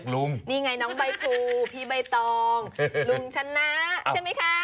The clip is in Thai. ลุงชนะ